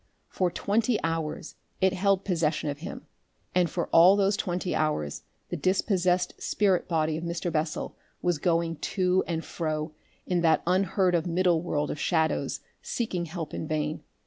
For twenty hours it held possession of him, and for all those twenty hours the dispossessed spirit body of Mr. Bessel was going to and fro in that unheard of middle world of shadows seeking help in vain.